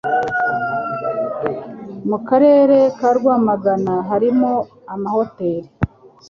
mu karere ka Rwamagana harimo amahoteri,